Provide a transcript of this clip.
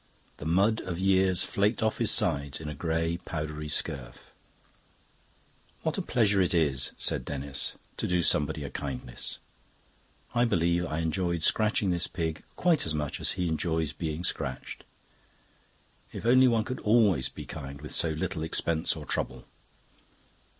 The mud of years flaked off his sides in a grey powdery scurf. "What a pleasure it is," said Denis, "to do somebody a kindness. I believe I enjoy scratching this pig quite as much as he enjoys being scratched. If only one could always be kind with so little expense or trouble..."